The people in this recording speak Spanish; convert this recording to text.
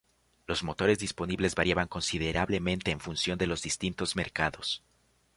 Los motores disponibles variaban considerablemente en función de los distintos mercados.